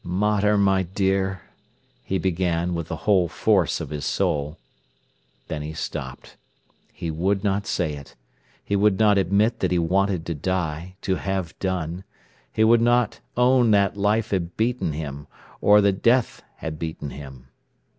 "Mater, my dear—" he began, with the whole force of his soul. Then he stopped. He would not say it. He would not admit that he wanted to die, to have done. He would not own that life had beaten him, or that death had beaten him.